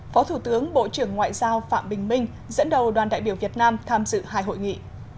phó thủ tướng bộ trưởng ngoại giao phạm bình minh dẫn đầu đoàn đại biểu việt nam tham dự hai hội nghị